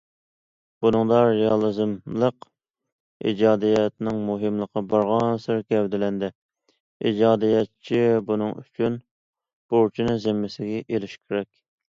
بۇنىڭدا رېئالىزملىق ئىجادىيەتنىڭ مۇھىملىقى بارغانسېرى گەۋدىلەندى، ئىجادىيەتچى بۇنىڭ ئۈچۈن بۇرچنى زىممىسىگە ئېلىشى كېرەك.